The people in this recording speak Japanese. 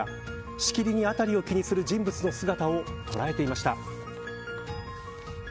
しきりに、辺りを気にする人物の姿を捉えていました。